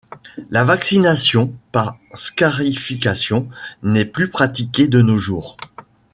La vaccination par scarification n’est plus pratiquée de nos jours.